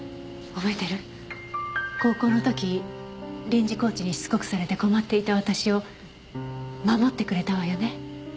臨時コーチにしつこくされて困っていた私を守ってくれたわよね？